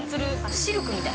シルクみたい。